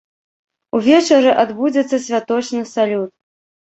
Увечары адбудзецца святочны салют.